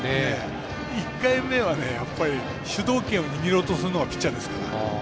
１回目は、主導権を握ろうとするのがピッチャーですから。